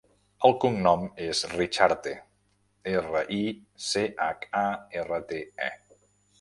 El cognom és Richarte: erra, i, ce, hac, a, erra, te, e.